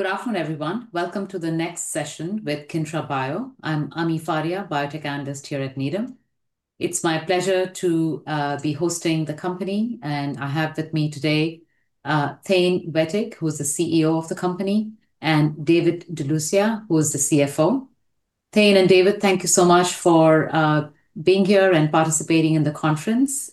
Good afternoon, everyone. Welcome to the next session with Kyntra Bio. I'm Ami Fadia, biotech analyst here at Needham. It's my pleasure to be hosting the company, and I have with me today, Thane Wettig, who is the CEO of the company, and David DeLucia, who is the CFO. Thane and David, thank you so much for being here and participating in the conference.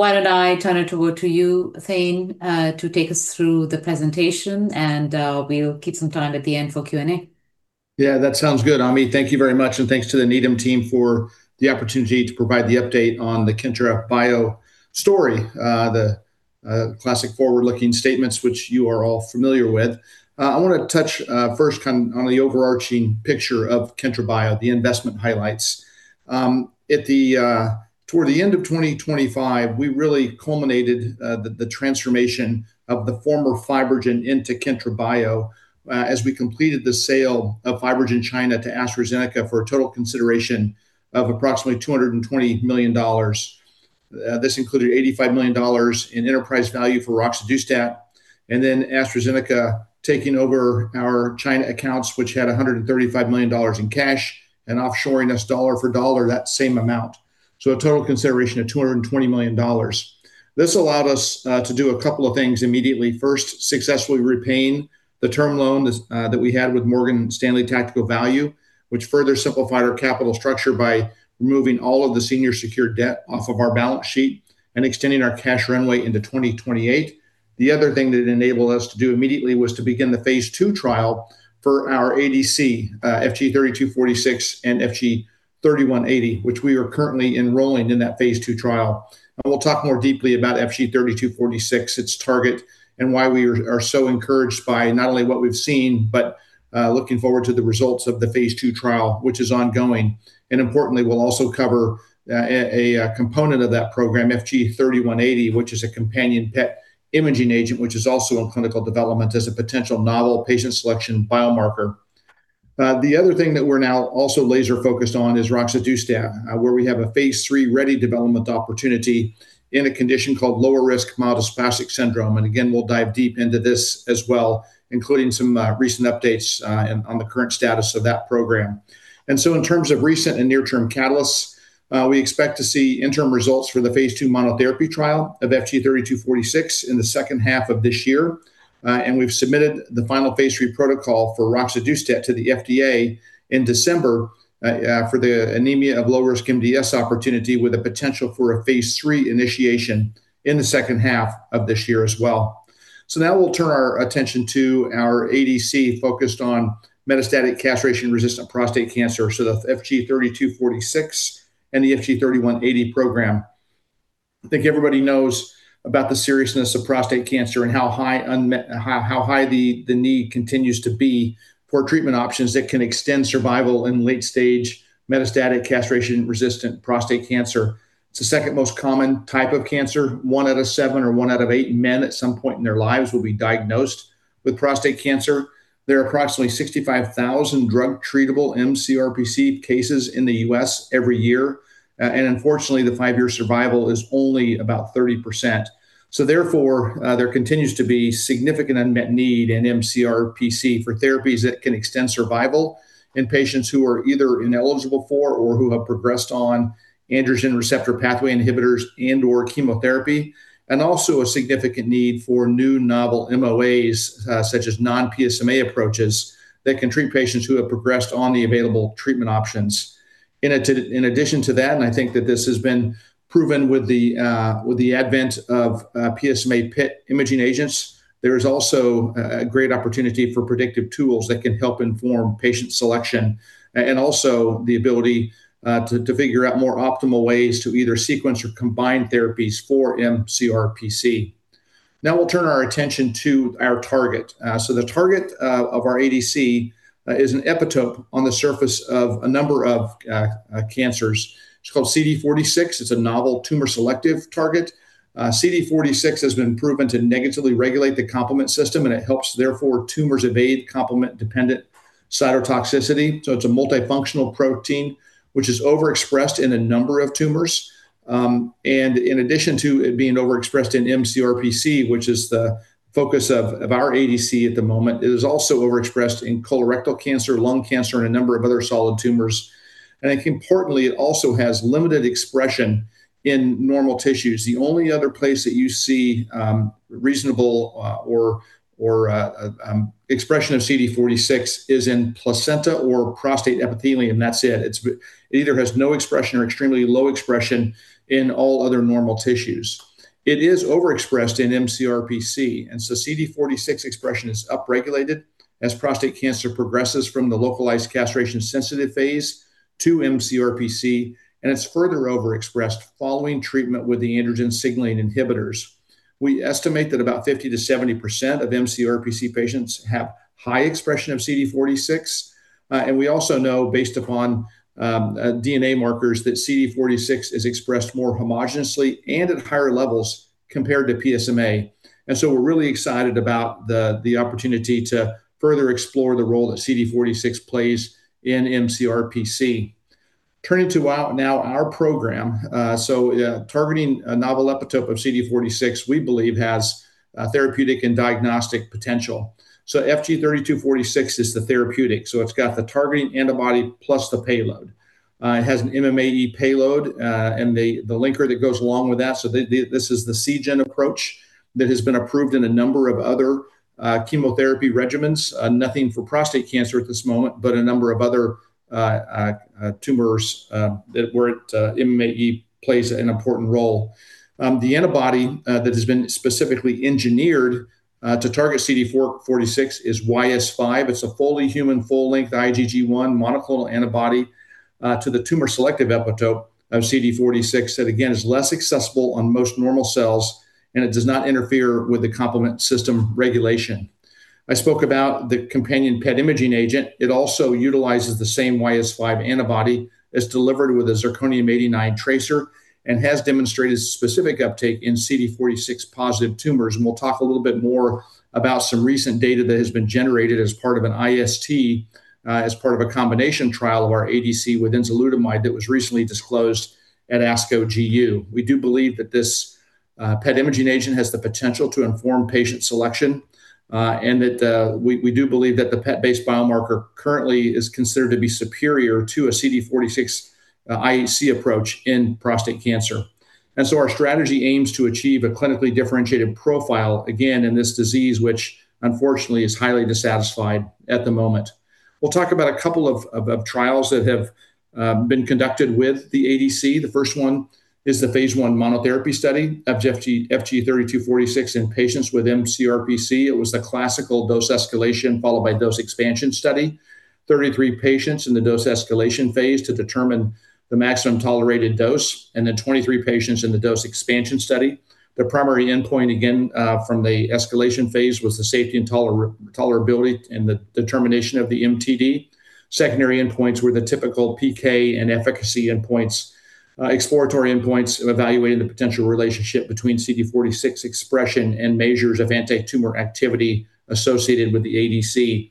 Why don't I turn it over to you, Thane, to take us through the presentation, and we'll keep some time at the end for Q&A. Yeah, that sounds good, Ami. Thank you very much, and thanks to the Needham team for the opportunity to provide the update on the Kyntra Bio story, the classic forward-looking statements which you are all familiar with. I want to touch first on the overarching picture of Kyntra Bio, the investment highlights. Toward the end of 2025, we really culminated the transformation of the former FibroGen into Kyntra Bio as we completed the sale of FibroGen China to AstraZeneca for a total consideration of approximately $220 million. This included $85 million in enterprise value for roxadustat, and then AstraZeneca taking over our China accounts, which had $135 million in cash, and offshoring us dollar for dollar that same amount. A total consideration of $220 million. This allowed us to do a couple of things immediately. First, successfully repaying the term loan that we had with Morgan Stanley Tactical Value, which further simplified our capital structure by removing all of the senior secured debt off of our balance sheet and extending our cash runway into 2028. The other thing that it enabled us to do immediately was to begin the Phase II trial for our ADC, FG-3246 and FG-3180, which we are currently enrolling in that Phase II trial. We'll talk more deeply about FG-3246, its target, and why we are so encouraged by not only what we've seen, but looking forward to the results of the Phase II trial, which is ongoing. Importantly, we'll also cover a component of that program, FG-3180, which is a companion PET imaging agent, which is also in clinical development as a potential novel patient selection biomarker. The other thing that we're now also laser-focused on is roxadustat, where we have a Phase III-ready development opportunity in a condition called lower-risk myelodysplastic syndrome. Again, we'll dive deep into this as well, including some recent updates on the current status of that program. In terms of recent and near-term catalysts, we expect to see interim results for the Phase II monotherapy trial of FG-3246 in the second half of this year. We've submitted the final Phase III protocol for roxadustat to the FDA in December for the anemia of low-risk MDS opportunity, with a potential for a Phase III initiation in the second half of this year as well. Now we'll turn our attention to our ADC focused on metastatic castration-resistant prostate cancer. The FG-3246 and the FG-3180 program. I think everybody knows about the seriousness of prostate cancer and how high the need continues to be for treatment options that can extend survival in late-stage metastatic castration-resistant prostate cancer. It's the second most common type of cancer. One out of seven or one out of eight men at some point in their lives will be diagnosed with prostate cancer. There are approximately 65,000 drug-treatable mCRPC cases in the U.S. every year. Unfortunately, the five-year survival is only about 30%. Therefore, there continues to be significant unmet need in mCRPC for therapies that can extend survival in patients who are either ineligible for or who have progressed on androgen receptor pathway inhibitors and/or chemotherapy, and also a significant need for new novel MOAs, such as non-PSMA approaches that can treat patients who have progressed on the available treatment options. In addition to that, and I think that this has been proven with the advent of PSMA PET imaging agents, there is also a great opportunity for predictive tools that can help inform patient selection, and also the ability to figure out more optimal ways to either sequence or combine therapies for mCRPC. Now we'll turn our attention to our target. The target of our ADC is an epitope on the surface of a number of cancers. It's called CD46. It's a novel tumor-selective target. CD46 has been proven to negatively regulate the complement system, and it helps, therefore, tumors evade complement-dependent cytotoxicity. It's a multifunctional protein, which is overexpressed in a number of tumors. In addition to it being overexpressed in mCRPC, which is the focus of our ADC at the moment, it is also overexpressed in colorectal cancer, lung cancer, and a number of other solid tumors. I think importantly, it also has limited expression in normal tissues. The only other place that you see reasonable or expression of CD46 is in placenta or prostate epithelium. That's it. It either has no expression or extremely low expression in all other normal tissues. It is overexpressed in mCRPC, and so CD46 expression is upregulated as prostate cancer progresses from the localized castration-sensitive phase to mCRPC, and it's further overexpressed following treatment with the androgen signaling inhibitors. We estimate that about 50%-70% of mCRPC patients have high expression of CD46. We also know, based upon DNA markers, that CD46 is expressed more homogeneously and at higher levels compared to PSMA. We're really excited about the opportunity to further explore the role that CD46 plays in mCRPC. Turning to now our program, targeting a novel epitope of CD46, we believe has a therapeutic and diagnostic potential. FG-3246 is the therapeutic. It's got the targeting antibody plus the payload. It has an MMAE payload and the linker that goes along with that. This is the Seagen approach that has been approved in a number of other chemotherapy regimens, nothing for prostate cancer at this moment, but a number of other tumors where MMAE plays an important role. The antibody that has been specifically engineered to target CD46 is YS5. It's a fully human, full-length IgG1 monoclonal antibody to the tumor-selective epitope of CD46 that, again, is less accessible on most normal cells, and it does not interfere with the complement system regulation. I spoke about the companion PET imaging agent. It also utilizes the same YS5 antibody, is delivered with a zirconium-89 tracer, and has demonstrated specific uptake in CD46-positive tumors. We'll talk a little bit more about some recent data that has been generated as part of an IST, as part of a combination trial of our ADC with enzalutamide that was recently disclosed at ASCO GU. We do believe that this PET imaging agent has the potential to inform patient selection, and that we do believe that the PET-based biomarker currently is considered to be superior to a CD46 IHC approach in prostate cancer. Our strategy aims to achieve a clinically differentiated profile, again, in this disease, which unfortunately is highly dissatisfied at the moment. We'll talk about a couple of above trials that have been conducted with the ADC. The first one is the Phase I monotherapy study of FG-3246 in patients with mCRPC. It was the classical dose escalation followed by dose expansion study, 33 patients in the dose escalation phase to determine the maximum tolerated dose, and then 23 patients in the dose expansion study. The primary endpoint, again, from the escalation phase was the safety and tolerability and the determination of the MTD. Secondary endpoints were the typical PK and efficacy endpoints. Exploratory endpoints evaluated the potential relationship between CD46 expression and measures of anti-tumor activity associated with the ADC.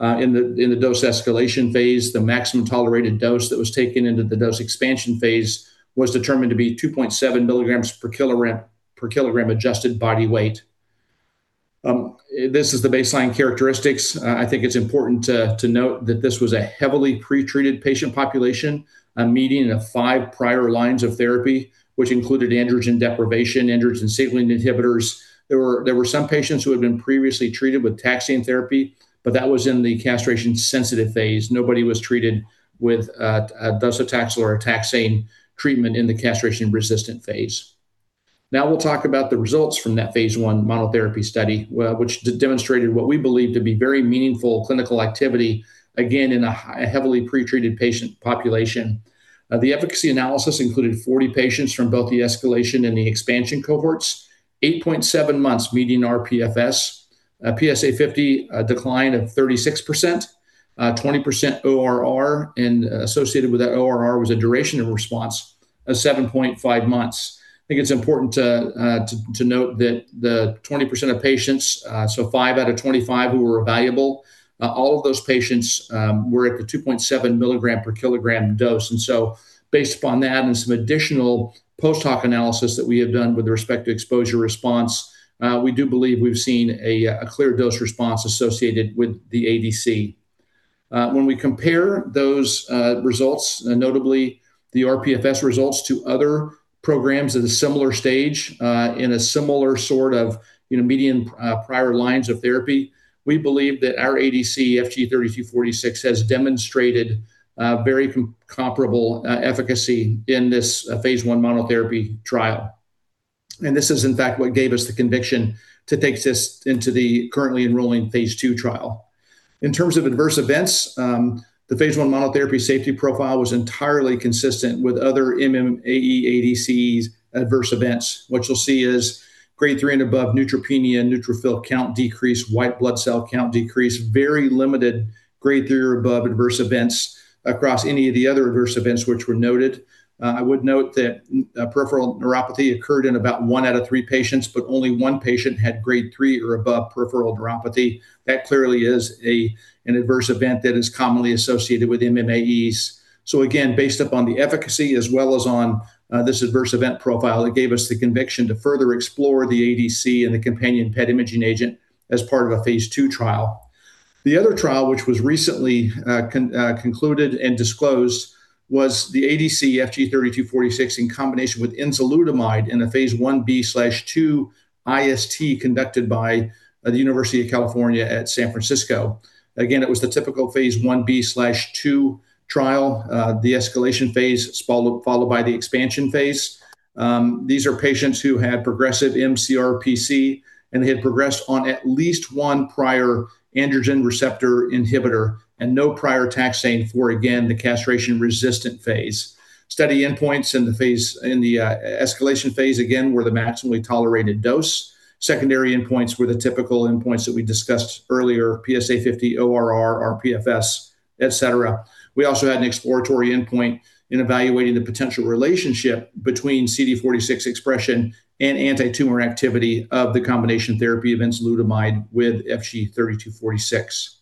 In the dose escalation phase, the maximum tolerated dose that was taken into the dose expansion phase was determined to be 2.7 milligrams per kilogram adjusted body weight. This is the baseline characteristics. I think it's important to note that this was a heavily pretreated patient population, a median of five prior lines of therapy, which included androgen deprivation, androgen signaling inhibitors. There were some patients who had been previously treated with taxane therapy, but that was in the castration-sensitive phase. Nobody was treated with docetaxel or a taxane treatment in the castration-resistant phase. Now we'll talk about the results from that Phase I monotherapy study, which demonstrated what we believe to be very meaningful clinical activity, again, in a heavily pretreated patient population. The efficacy analysis included 40 patients from both the escalation and the expansion cohorts, 8.7 months median RPFS, a PSA50 decline of 36%, 20% ORR, and associated with that ORR was a duration of response of 7.5 months. I think it's important to note that the 20% of patients, so five out of 25 who were evaluable, all of those patients were at the 2.7 milligram per kilogram dose. Based upon that and some additional post-hoc analysis that we have done with respect to exposure response, we do believe we've seen a clear dose response associated with the ADC. When we compare those results, notably the RPFS results to other programs at a similar stage, in a similar sort of median prior lines of therapy, we believe that our ADC FG-3246 has demonstrated very comparable efficacy in this Phase I monotherapy trial. This is in fact what gave us the conviction to take this into the currently enrolling Phase II trial. In terms of adverse events, the Phase I monotherapy safety profile was entirely consistent with other MMAE ADCs adverse events. What you'll see is Grade 3 and above neutropenia, neutrophil count decrease, white blood cell count decrease, very limited Grade 3 or above adverse events across any of the other adverse events which were noted. I would note that peripheral neuropathy occurred in about one out of three patients, but only one patient had Grade 3 or above peripheral neuropathy. That clearly is an adverse event that is commonly associated with MMAEs. Again, based upon the efficacy as well as on this adverse event profile, that gave us the conviction to further explore the ADC and the companion PET imaging agent as part of a Phase II trial. The other trial, which was recently concluded and disclosed, was the ADC FG-3246 in combination with enzalutamide in a Phase I-B/II IST conducted by the University of California at San Francisco. Again, it was the typical Phase I-B/II trial, the escalation phase followed by the expansion phase. These are patients who had progressive mCRPC and had progressed on at least one prior androgen receptor inhibitor and no prior taxane for, again, the castration-resistant phase. Study endpoints in the escalation phase, again, were the maximally tolerated dose. Secondary endpoints were the typical endpoints that we discussed earlier, PSA50, ORR, RPFS, et cetera. We also had an exploratory endpoint in evaluating the potential relationship between CD46 expression and anti-tumor activity of the combination therapy of enzalutamide with FG-3246.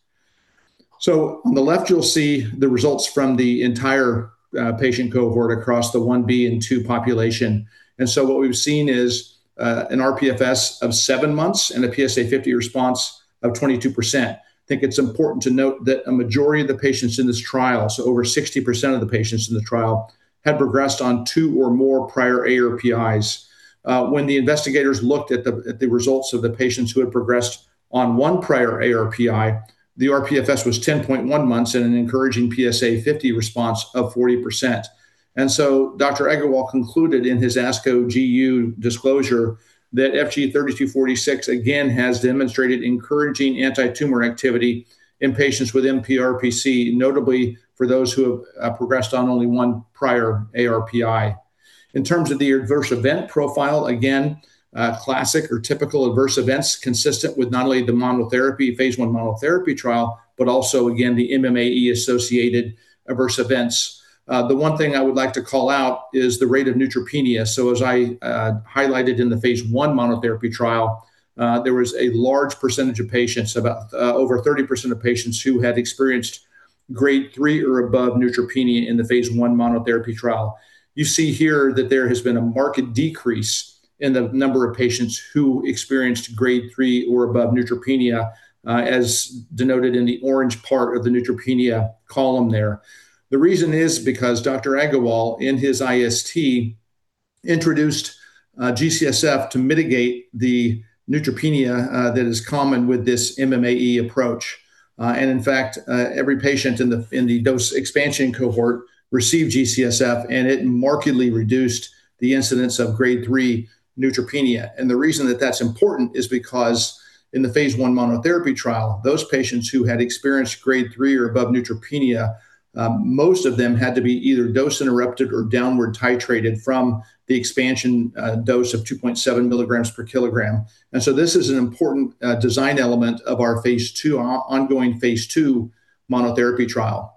On the left, you'll see the results from the entire patient cohort across the I-B and II population. What we've seen is an RPFS of seven months and a PSA50 response of 22%. I think it's important to note that a majority of the patients in this trial, so over 60% of the patients in the trial, had progressed on two or more prior ARPIs. When the investigators looked at the results of the patients who had progressed on one prior ARPI, the RPFS was 10.1 months and an encouraging PSA50 response of 40%. Rahul Aggarwal concluded in his ASCO GU disclosure that FG-3246, again, has demonstrated encouraging anti-tumor activity in patients with mCRPC, notably for those who have progressed on only one prior ARPI. In terms of the adverse event profile, again, classic or typical adverse events consistent with not only the monotherapy, Phase I monotherapy trial, but also, again, the MMAE-associated adverse events. The one thing I would like to call out is the rate of neutropenia. As I highlighted in the Phase I monotherapy trial, there was a large percentage of patients, about over 30% of patients, who had experienced Grade 3 or above neutropenia in the Phase I monotherapy trial. You see here that there has been a marked decrease in the number of patients who experienced Grade 3 or above neutropenia, as denoted in the orange part of the neutropenia column there. The reason is because Dr. Aggarwal, in his IST, introduced G-CSF to mitigate the neutropenia that is common with this MMAE approach. In fact, every patient in the dose expansion cohort received G-CSF, and it markedly reduced the incidence of Grade 3 neutropenia. The reason that that's important is because in the Phase I monotherapy trial, those patients who had experienced Grade 3 or above neutropenia, most of them had to be either dose interrupted or downward titrated from the expansion dose of 2.7 milligrams per kilogram. This is an important design element of our ongoing Phase II monotherapy trial.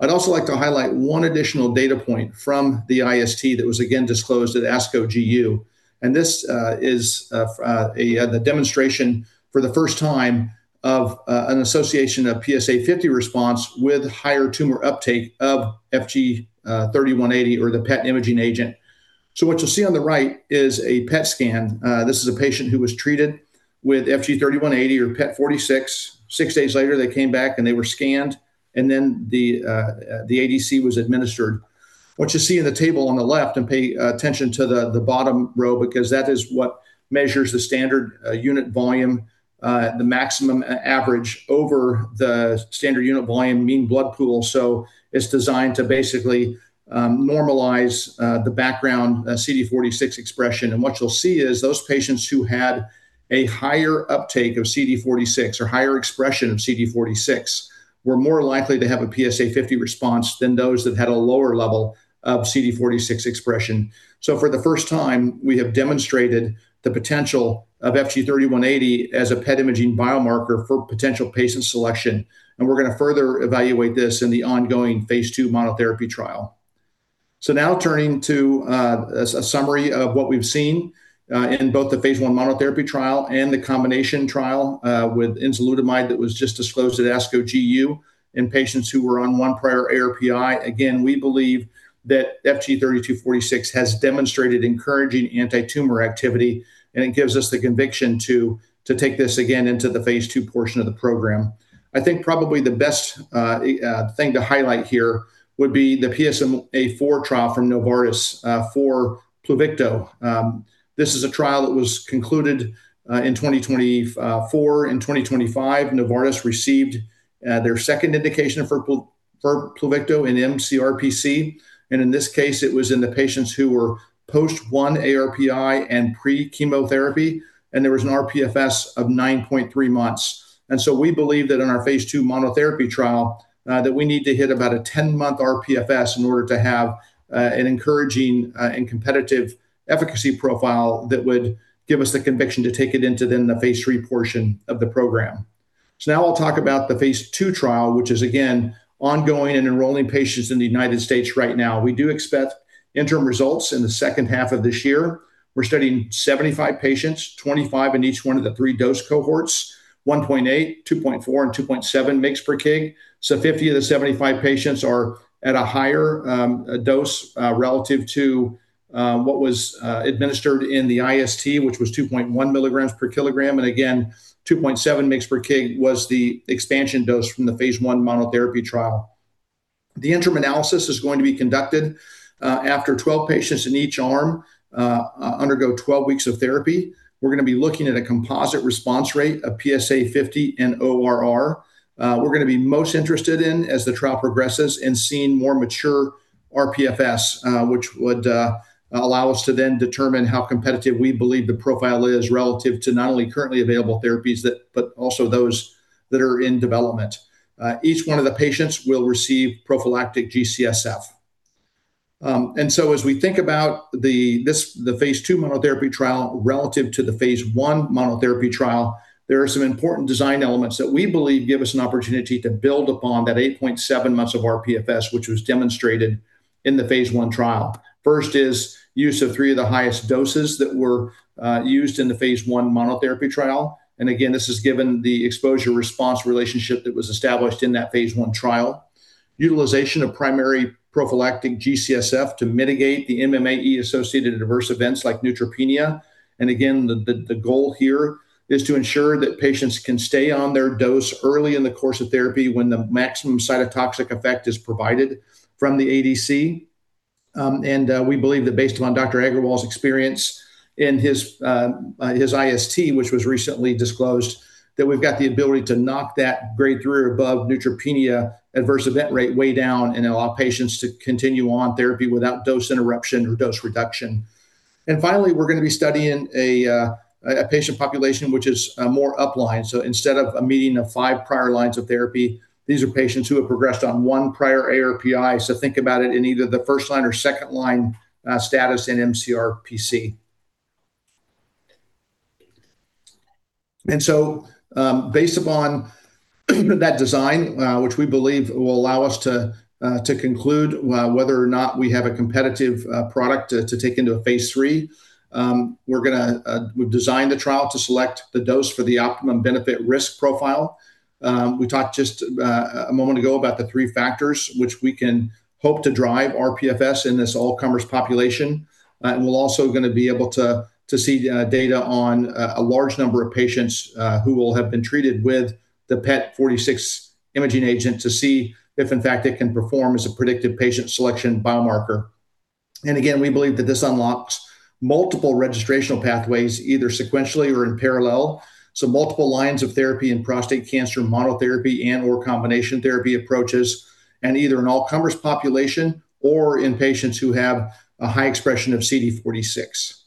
I'd also like to highlight one additional data point from the IST that was again disclosed at ASCO GU. This is the demonstration for the first time of an association of PSA50 response with higher tumor uptake of FG-3180 or the PET imaging agent. What you'll see on the right is a PET scan. This is a patient who was treated with FG-3180 or PET46. Six days later, they came back, and they were scanned, and then the ADC was administered. What you see in the table on the left, and pay attention to the bottom row, because that is what measures the standard unit volume, the maximum average over the standard unit volume mean blood pool. It's designed to basically normalize the background CD46 expression. What you'll see is those patients who had a higher uptake of CD46 or higher expression of CD46 were more likely to have a PSA50 response than those that had a lower level of CD46 expression. For the first time, we have demonstrated the potential of FG-3180 as a PET imaging biomarker for potential patient selection. We're going to further evaluate this in the ongoing Phase II monotherapy trial. Now turning to a summary of what we've seen in both the Phase I monotherapy trial and the combination trial with enzalutamide that was just disclosed at ASCO GU in patients who were on one prior ARPI. Again, we believe that FG-3246 has demonstrated encouraging anti-tumor activity, and it gives us the conviction to take this again into the Phase II portion of the program. I think probably the best thing to highlight here would be the PSMAfore trial from Novartis for Pluvicto. This is a trial that was concluded in 2024. In 2025, Novartis received their second indication for Pluvicto in mCRPC. In this case, it was in the patients who were post one ARPI and pre-chemotherapy. There was an RPFS of 9.3 months. We believe that in our Phase II monotherapy trial, that we need to hit about a 10-month RPFS in order to have an encouraging and competitive efficacy profile that would give us the conviction to take it into then the Phase III portion of the program. Now I'll talk about the Phase II trial, which is again, ongoing and enrolling patients in the United States right now. We do expect interim results in the second half of this year. We're studying 75 patients, 25 in each one of the three dose cohorts, 1.8, 2.4, and 2.7 mg/kg. 50 of the 75 patients are at a higher dose relative to what was administered in the IST, which was 2.1 mg/kg. Again, 2.7 mg/kg was the expansion dose from the Phase I monotherapy trial. The interim analysis is going to be conducted after 12 patients in each arm undergo 12 weeks of therapy. We're going to be looking at a composite response rate of PSA50 and ORR. We're going to be most interested in, as the trial progresses, in seeing more mature RPFS, which would allow us to then determine how competitive we believe the profile is relative to not only currently available therapies, but also those that are in development. Each one of the patients will receive prophylactic G-CSF. As we think about the Phase II monotherapy trial relative to the Phase I monotherapy trial, there are some important design elements that we believe give us an opportunity to build upon that 8.7 months of RPFS, which was demonstrated in the Phase I trial. First is use of three of the highest doses that were used in the Phase I monotherapy trial. Again, this is given the exposure-response relationship that was established in that Phase I trial. Utilization of primary prophylactic G-CSF to mitigate the MMAE-associated adverse events like neutropenia, again, the goal here is to ensure that patients can stay on their dose early in the course of therapy when the maximum cytotoxic effect is provided from the ADC. We believe that based upon Dr. Aggarwal's experience in his IST, which was recently disclosed, that we've got the ability to knock that Grade 3 or above neutropenia adverse event rate way down and allow patients to continue on therapy without dose interruption or dose reduction. Finally, we're going to be studying a patient population which is more upline. Instead of a median of five prior lines of therapy, these are patients who have progressed on one prior ARPI. Think about it in either the first-line or second-line status in mCRPC. Based upon that design, which we believe will allow us to conclude whether or not we have a competitive product to take into a Phase III, we've designed the trial to select the dose for the optimum benefit-risk profile. We talked just a moment ago about the three factors which we can hope to drive RPFS in this all-comers population. We're also going to be able to see data on a large number of patients who will have been treated with the PET46 imaging agent to see if, in fact, it can perform as a predictive patient selection biomarker. Again, we believe that this unlocks multiple registrational pathways, either sequentially or in parallel. Multiple lines of therapy in prostate cancer monotherapy and/or combination therapy approaches, and either an all-comers population or in patients who have a high expression of CD46.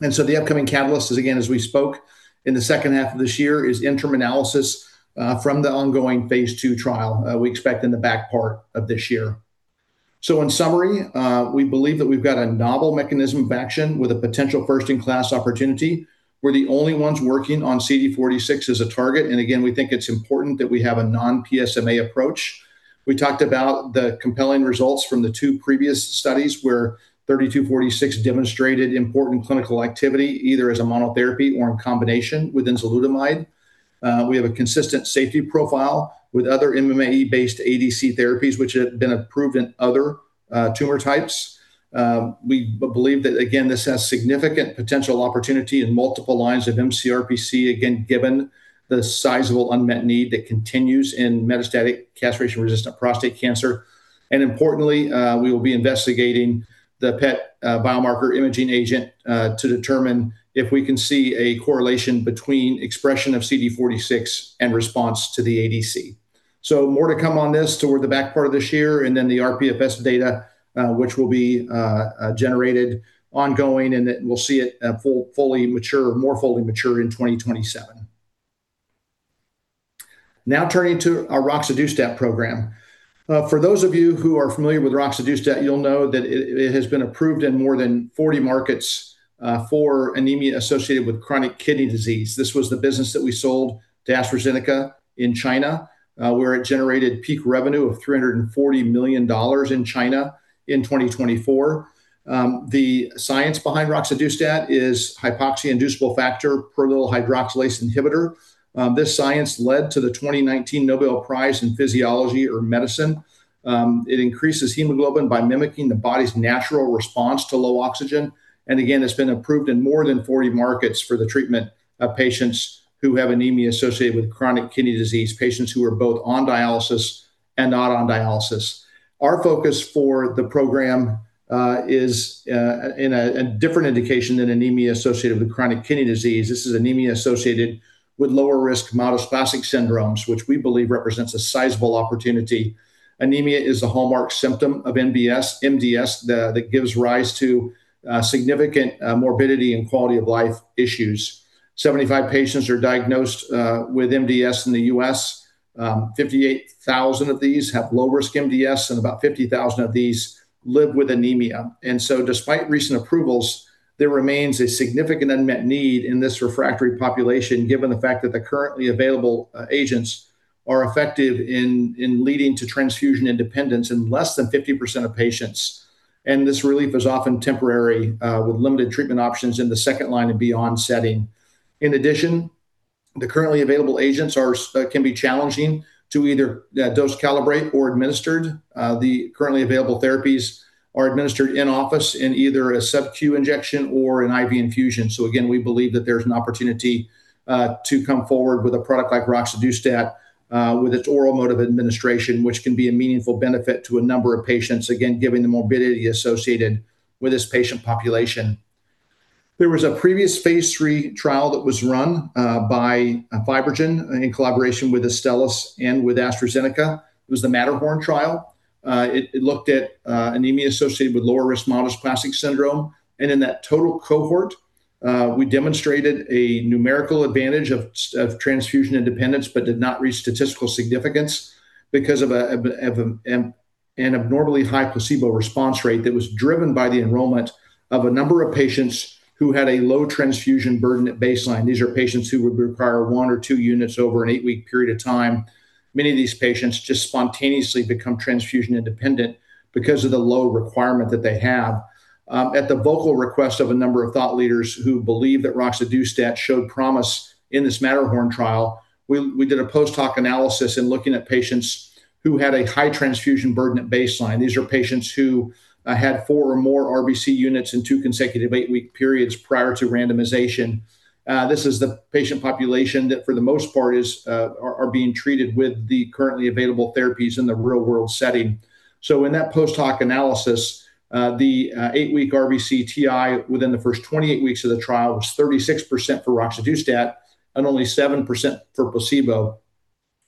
The upcoming catalyst is, again, as we spoke, in the second half of this year is interim analysis from the ongoing Phase II trial we expect in the back part of this year. In summary, we believe that we've got a novel mechanism of action with a potential first-in-class opportunity. We're the only ones working on CD46 as a target, and again, we think it's important that we have a non-PSMA approach. We talked about the compelling results from the two previous studies where 3246 demonstrated important clinical activity, either as a monotherapy or in combination with enzalutamide. We have a consistent safety profile with other MMAE-based ADC therapies which have been approved in other tumor types. We believe that, again, this has significant potential opportunity in multiple lines of mCRPC, again, given the sizable unmet need that continues in metastatic castration-resistant prostate cancer. Importantly, we will be investigating the PET biomarker imaging agent to determine if we can see a correlation between expression of CD46 and response to the ADC. More to come on this toward the back part of this year, and then the RPFS data, which will be generated ongoing, and we'll see it more fully mature in 2027. Now turning to our roxadustat program. For those of you who are familiar with roxadustat, you'll know that it has been approved in more than 40 markets for anemia associated with chronic kidney disease. This was the business that we sold to AstraZeneca in China, where it generated peak revenue of $340 million in China in 2024. The science behind roxadustat is hypoxia-inducible factor prolyl hydroxylase inhibitor. This science led to the 2019 Nobel Prize in Physiology or Medicine. It increases hemoglobin by mimicking the body's natural response to low oxygen. Again, it's been approved in more than 40 markets for the treatment of patients who have anemia associated with chronic kidney disease, patients who are both on dialysis and not on dialysis. Our focus for the program is in a different indication than anemia associated with chronic kidney disease. This is anemia associated with lower-risk myelodysplastic syndromes, which we believe represents a sizable opportunity. Anemia is a hallmark symptom of MDS that gives rise to significant morbidity and quality-of-life issues. 75,000 patients are diagnosed with MDS in the U.S. 58,000 of these have low-risk MDS, and about 50,000 of these live with anemia. Despite recent approvals, there remains a significant unmet need in this refractory population, given the fact that the currently available agents are effective in leading to transfusion independence in less than 50% of patients. This relief is often temporary, with limited treatment options in the second-line and beyond setting. In addition, the currently available agents can be challenging to either dose calibrate or administered. The currently available therapies are administered in office in either a sub-Q injection or an IV infusion. We believe that there's an opportunity to come forward with a product like roxadustat with its oral mode of administration, which can be a meaningful benefit to a number of patients, again, given the morbidity associated with this patient population. There was a previous Phase III trial that was run by FibroGen in collaboration with Astellas and with AstraZeneca. It was the MATTERHORN trial. It looked at anemia associated with lower-risk myelodysplastic syndrome. In that total cohort, we demonstrated a numerical advantage of transfusion independence but did not reach statistical significance because of an abnormally high placebo response rate that was driven by the enrollment of a number of patients who had a low transfusion burden at baseline. These are patients who would require one or two units over an eight-week period of time. Many of these patients just spontaneously become transfusion independent because of the low requirement that they have. At the vocal request of a number of thought leaders who believe that roxadustat showed promise in this MATTERHORN trial, we did a post hoc analysis in looking at patients who had a high transfusion burden at baseline. These are patients who had four or more RBC units in two consecutive eight-week periods prior to randomization. This is the patient population that, for the most part, are being treated with the currently available therapies in the real-world setting. In that post hoc analysis, the eight-week RBC TI within the first 28 weeks of the trial was 36% for roxadustat and only 7% for placebo,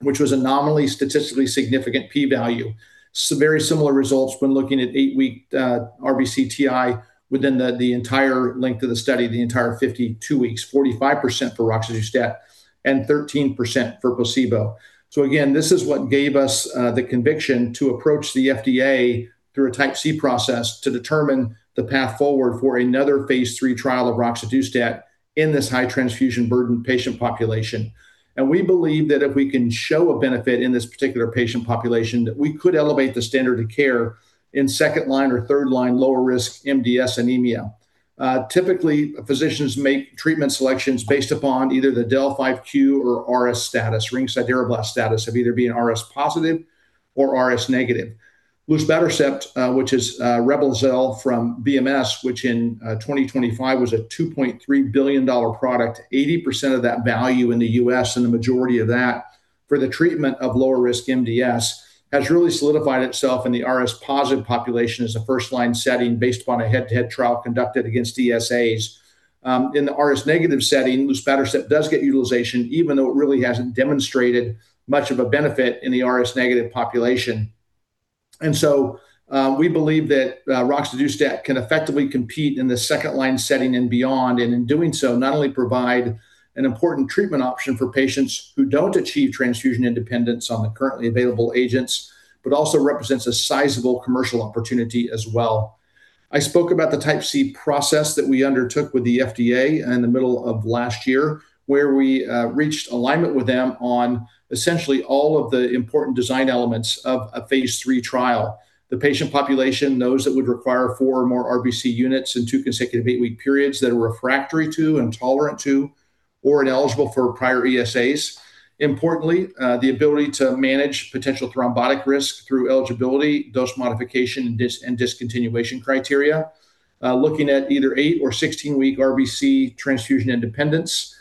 which was a nominally statistically significant p-value. Some very similar results when looking at eight-week RBC TI within the entire length of the study, the entire 52 weeks, 45% for roxadustat and 13% for placebo. Again, this is what gave us the conviction to approach the FDA through a Type C process to determine the path forward for another Phase III trial of roxadustat in this high transfusion burden patient population. We believe that if we can show a benefit in this particular patient population, that we could elevate the standard of care in second-line or third-line lower-risk MDS anemia. Typically, physicians make treatment selections based upon either the del(5q) or RS status, ring sideroblast status, of either being RS positive or RS negative. Luspatercept, which is REBLOZYL from BMS, which in 2025 was a $2.3 billion product, 80% of that value in the U.S. and the majority of that for the treatment of lower-risk MDS, has really solidified itself in the RS positive population as a first-line setting based upon a head-to-head trial conducted against ESAs. In the RS negative setting, luspatercept does get utilization, even though it really hasn't demonstrated much of a benefit in the RS negative population. We believe that roxadustat can effectively compete in the second-line setting and beyond, and in doing so, not only provide an important treatment option for patients who don't achieve transfusion independence on the currently available agents, but also represents a sizable commercial opportunity as well. I spoke about the Type C process that we undertook with the FDA in the middle of last year, where we reached alignment with them on essentially all of the important design elements of a Phase III trial. The patient population, those that would require four or more RBC units in two consecutive eight-week periods that are refractory to, intolerant to, or ineligible for prior ESAs. Importantly, the ability to manage potential thrombotic risk through eligibility, dose modification, and discontinuation criteria, looking at either eight or 16-week RBC transfusion independence.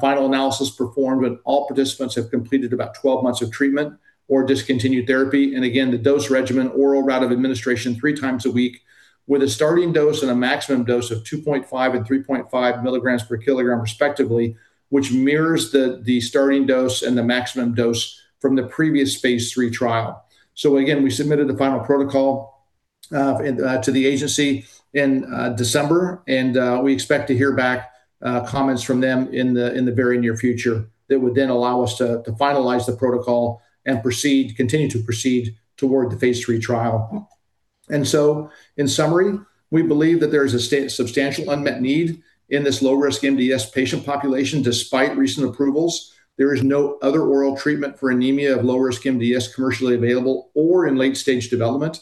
Final analysis is performed when all participants have completed about 12 months of treatment or discontinued therapy. Again, the dose regimen, oral route of administration 3x a week with a starting dose and a maximum dose of 2.5 and 3.5 milligrams per kilogram respectively, which mirrors the starting dose and the maximum dose from the previous Phase III trial. Again, we submitted the final protocol to the agency in December, and we expect to hear back comments from them in the very near future that would then allow us to finalize the protocol and continue to proceed toward the Phase III trial. In summary, we believe that there is a substantial unmet need in this lower-risk MDS patient population despite recent approvals. There is no other oral treatment for anemia of lower-risk MDS commercially available or in late-stage development.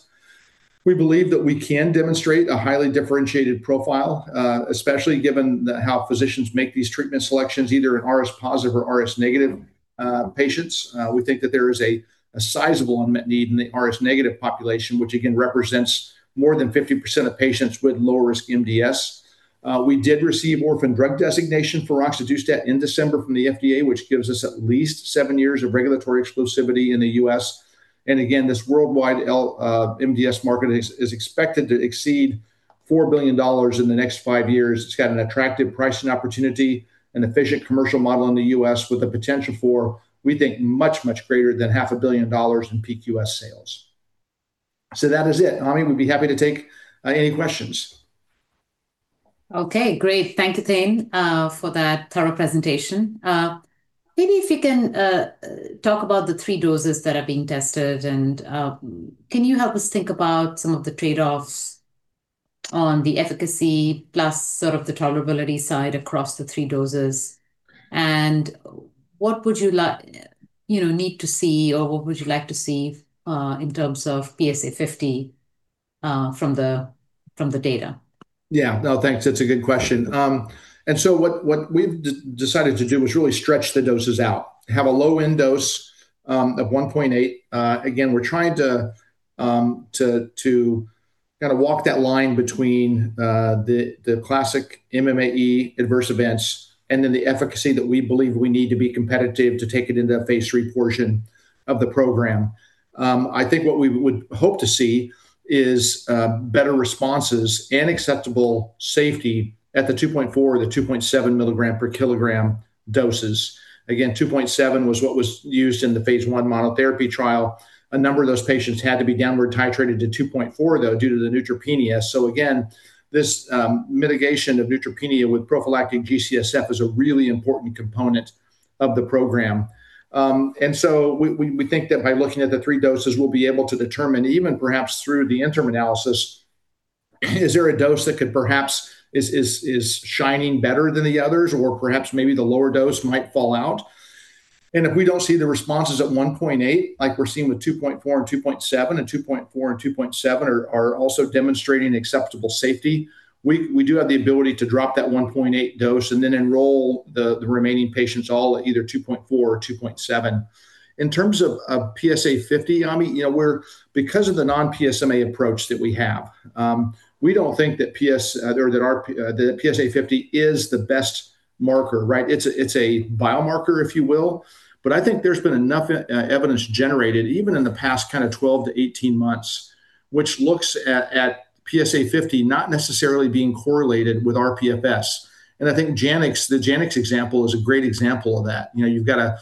We believe that we can demonstrate a highly differentiated profile, especially given how physicians make these treatment selections, either in RS positive or RS negative patients. We think that there is a sizable unmet need in the RS negative population, which again represents more than 50% of patients with low-risk MDS. We did receive Orphan Drug Designation for roxadustat in December from the FDA, which gives us at least seven years of regulatory exclusivity in the U.S. Again, this worldwide MDS market is expected to exceed $4 billion in the next five years. It's got an attractive pricing opportunity, an efficient commercial model in the U.S. with the potential for, we think, much greater than $0.5 billion in peak U.S. sales. That is it. Ami, we'd be happy to take any questions. Okay, great. Thank you, Thane, for that thorough presentation. Maybe if you can talk about the three doses that are being tested, and can you help us think about some of the trade-offs on the efficacy plus sort of the tolerability side across the three doses? What would you need to see, or what would you like to see, in terms of PSA50 from the data? Yeah. No, thanks. That's a good question. What we've decided to do was really stretch the doses out, have a low-end dose of 1.8. Again, we're trying to walk that line between the classic MMAE adverse events and then the efficacy that we believe we need to be competitive to take it into that Phase III portion of the program. I think what we would hope to see is better responses and acceptable safety at the 2.4 or the 2.7 milligram per kilogram doses. Again, 2.7 was what was used in the Phase I monotherapy trial. A number of those patients had to be downward titrated to 2.4, though, due to the neutropenia. This mitigation of neutropenia with prophylactic G-CSF is a really important component of the program. We think that by looking at the three doses, we'll be able to determine, even perhaps through the interim analysis, is there a dose that could perhaps is shining better than the others, or perhaps maybe the lower dose might fall out. If we don't see the responses at 1.8 like we're seeing with 2.4 and 2.7, and 2.4 and 2.7 are also demonstrating acceptable safety, we do have the ability to drop that 1.8 dose and then enroll the remaining patients all at either 2.4 or 2.7. In terms of PSA50, Ami, because of the non-PSMA approach that we have, we don't think that PSA50 is the best marker, right? It's a biomarker, if you will, but I think there's been enough evidence generated, even in the past kind of 12-18 months, which looks at PSA50 not necessarily being correlated with rPFS. I think the Janux example is a great example of that. You've got a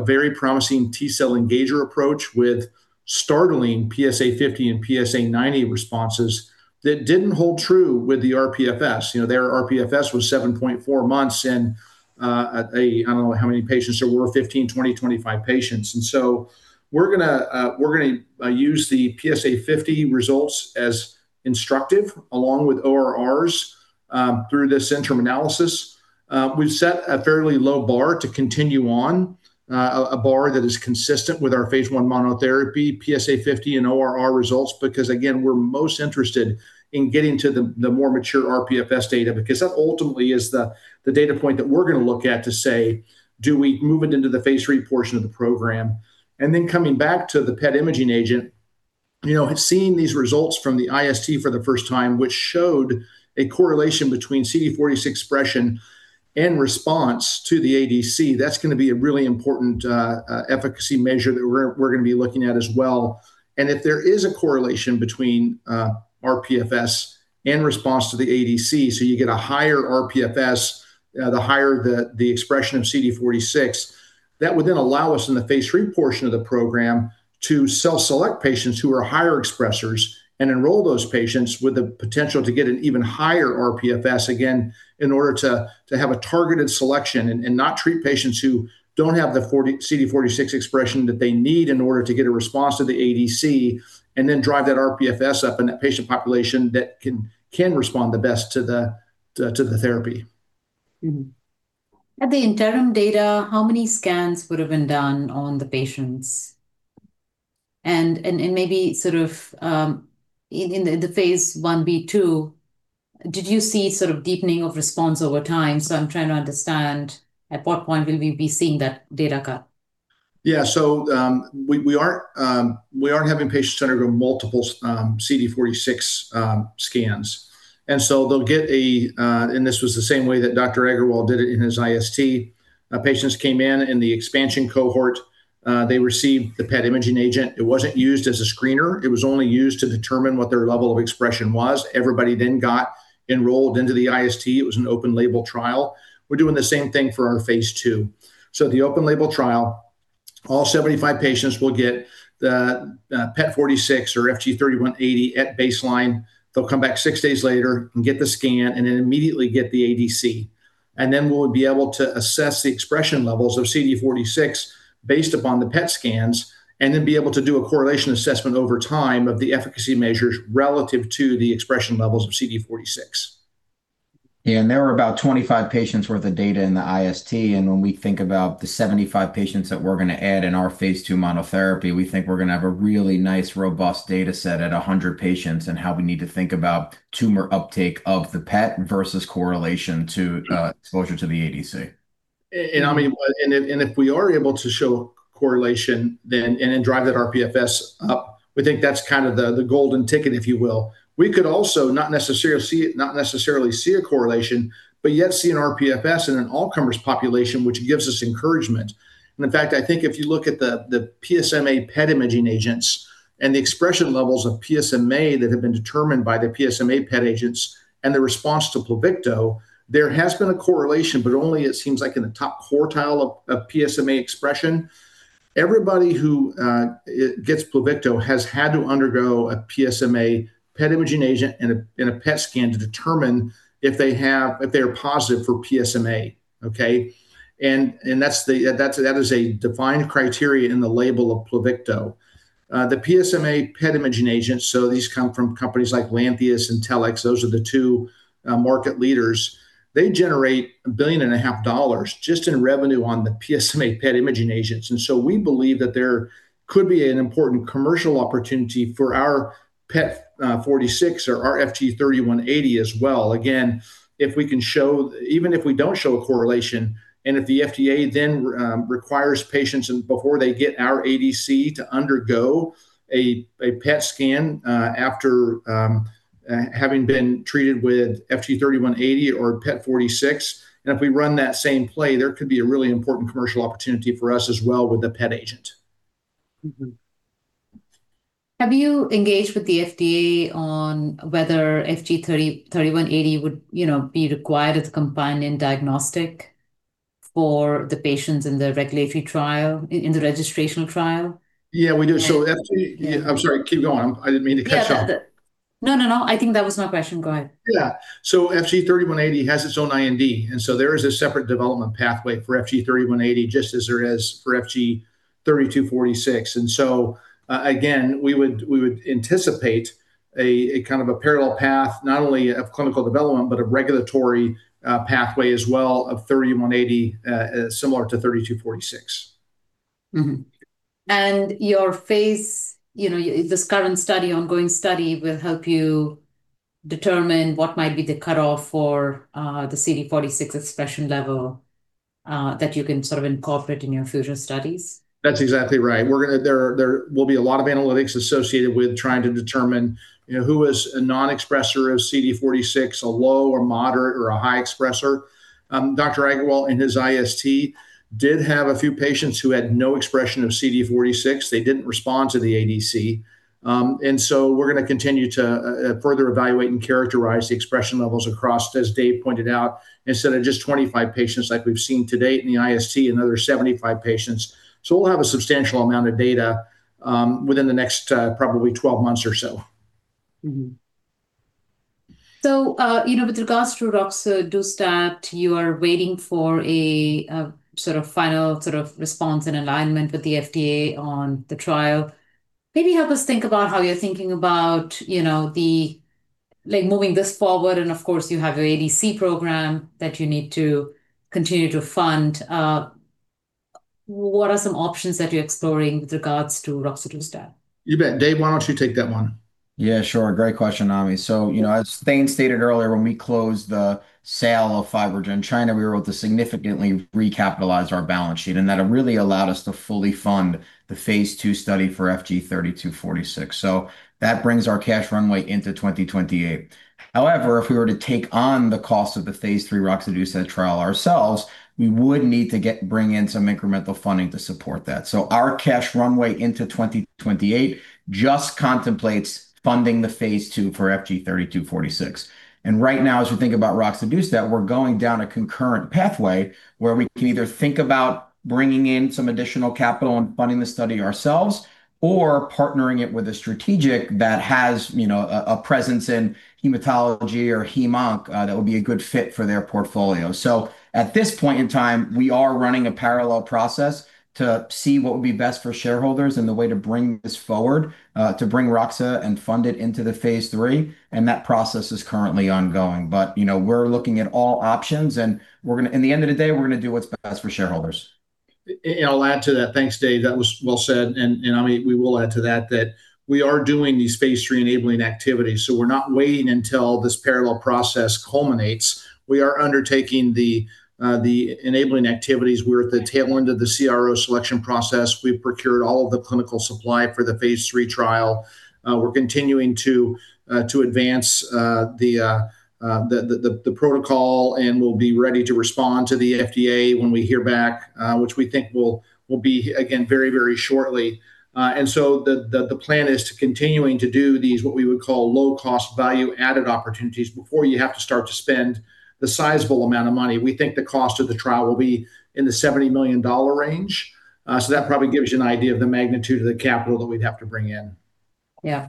very promising T-cell engager approach with startling PSA50 and PSA90 responses that didn't hold true with the rPFS. Their rPFS was 7.4 months in, I don't know how many patients there were, 15, 20, 25 patients. We're going to use the PSA50 results as instructive, along with ORRs, through this interim analysis. We've set a fairly low bar to continue on, a bar that is consistent with our Phase I monotherapy, PSA50, and ORR results because, again, we're most interested in getting to the more mature RPFS data because that ultimately is the data point that we're going to look at to say, "Do we move it into the Phase III portion of the program?" Coming back to the PET imaging agent, seeing these results from the IST for the first time, which showed a correlation between CD46 expression and response to the ADC, that's going to be a really important efficacy measure that we're going to be looking at as well. If there is a correlation between RPFS and response to the ADC, so you get a higher RPFS, the higher the expression of CD46, that would then allow us in the Phase III portion of the program to self-select patients who are higher expressers and enroll those patients with the potential to get an even higher RPFS, again, in order to have a targeted selection and not treat patients who don't have the CD46 expression that they need in order to get a response to the ADC, and then drive that RPFS up in that patient population that can respond the best to the therapy. At the interim data, how many scans would have been done on the patients? Maybe sort of, in the Phase I-B/II, did you see sort of deepening of response over time? I'm trying to understand at what point will we be seeing that data cut. Yeah, we aren't having patients undergo multiple CD46 scans. This was the same way that Rahul Aggarwal did it in his IST. Patients came in in the expansion cohort. They received the PET imaging agent. It wasn't used as a screener. It was only used to determine what their level of expression was. Everybody then got enrolled into the IST. It was an open-label trial. We're doing the same thing for our Phase II. The open-label trial, all 75 patients will get the PET46 or FG-3180 at baseline. They'll come back six days later and get the scan and then immediately get the ADC. We'll be able to assess the expression levels of CD46 based upon the PET scans, and then be able to do a correlation assessment over time of the efficacy measures relative to the expression levels of CD46. There were about 25 patients worth of data in the IST. When we think about the 75 patients that we're going to add in our Phase II monotherapy, we think we're going to have a really nice, robust data set at 100 patients in how we need to think about tumor uptake of the PET versus correlation to exposure to the ADC. Ami, if we are able to show correlation and then drive that RPFS up, we think that's kind of the golden ticket, if you will. We could also not necessarily see a correlation, but yet see an RPFS in an all-comers population, which gives us encouragement. In fact, I think if you look at the PSMA PET imaging agents and the expression levels of PSMA that have been determined by the PSMA PET agents and the response to Pluvicto, there has been a correlation, but only, it seems like, in the top quartile of PSMA expression. Everybody who gets Pluvicto has had to undergo a PSMA PET imaging agent and a PET scan to determine if they are positive for PSMA, okay? That is a defined criteria in the label of Pluvicto. The PSMA PET imaging agent, so these come from companies like Lantheus and Telix. Those are the two market leaders. They generate a $1.5 billion just in revenue on the PSMA PET imaging agents. We believe that there could be an important commercial opportunity for our PET46 or our FG-3180 as well. Again, even if we don't show a correlation and if the FDA then requires patients, before they get our ADC, to undergo a PET scan after having been treated with FG-3180 or PET46, and if we run that same play, there could be a really important commercial opportunity for us as well with the PET agent. Have you engaged with the FDA on whether FG-3180 would be required as a companion diagnostic for the patients in the regulatory trial, in the registrational trial? Yeah, we do. I'm sorry, keep going. I didn't mean to cut you off. No, I think that was my question. Go ahead. Yeah. FG-3180 has its own IND, and so there is a separate development pathway for FG-3180, just as there is for FG-3246. Again, we would anticipate a parallel path, not only of clinical development, but a regulatory pathway as well of FG-3180, similar to FG-3246. Mm-hmm. This current ongoing study will help you determine what might be the cutoff for the CD46 expression level that you can incorporate in your future studies? That's exactly right. There will be a lot of analytics associated with trying to determine who is a non-expresser of CD46, a low or moderate or a high expresser. Dr. Aggarwal in his IST did have a few patients who had no expression of CD46. They didn't respond to the ADC. We're going to continue to further evaluate and characterize the expression levels across, as Dave pointed out, instead of just 25 patients like we've seen to date in the IST, another 75 patients. We'll have a substantial amount of data within the next probably 12 months or so. Mm-hmm. With regards to roxadustat, you are waiting for a final response and alignment with the FDA on the trial. Maybe help us think about how you're thinking about moving this forward, and of course, you have your ADC program that you need to continue to fund. What are some options that you're exploring with regards to roxadustat? You bet. Dave, why don't you take that one? Yeah, sure. Great question, Ami. As Thane stated earlier, when we closed the sale of FibroGen China, we were able to significantly recapitalize our balance sheet, and that really allowed us to fully fund the Phase II study for FG-3246. That brings our cash runway into 2028. However, if we were to take on the cost of the Phase III roxadustat trial ourselves, we would need to bring in some incremental funding to support that. Our cash runway into 2028 just contemplates funding the Phase II for FG-3246. Right now, as we think about roxadustat, we're going down a concurrent pathway where we can either think about bringing in some additional capital and funding the study ourselves or partnering it with a strategic that has a presence in hematology or hem-onc that would be a good fit for their portfolio. At this point in time, we are running a parallel process to see what would be best for shareholders and the way to bring this forward, to bring roxadustat and fund it into the Phase III, and that process is currently ongoing. We're looking at all options, and in the end of the day, we're going to do what's best for shareholders. I'll add to that. Thanks, Dave. That was well said. Ami, we will add to that we are doing these Phase III-enabling activities, so we're not waiting until this parallel process culminates. We are undertaking the enabling activities. We're at the tail end of the CRO selection process. We've procured all of the clinical supply for the Phase III trial. We're continuing to advance the protocol, and we'll be ready to respond to the FDA when we hear back, which we think will be, again, very shortly. The plan is to continuing to do these, what we would call low-cost, value-added opportunities before you have to start to spend the sizable amount of money. We think the cost of the trial will be in the $70 million range. That probably gives you an idea of the magnitude of the capital that we'd have to bring in. Yeah.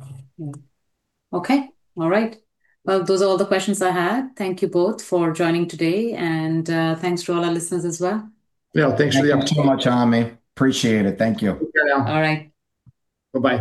Okay. All right. Well, those are all the questions I had. Thank you both for joining today, and thanks to all our listeners as well. Yeah, thanks for the opportunity. Thank you so much, Ami. I appreciate it. Thank you. Take care now. All right. Bye-bye.